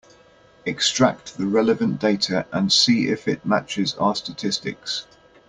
Extract the relevant data and see if it matches our statistics.